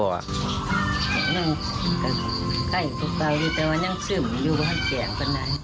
นั่งใกล้อยู่ทุกคราวดีแต่ว่านั่งซึ่งอยู่ว่าแก่งกันไหน